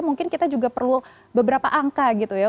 mungkin kita juga perlu beberapa angka gitu ya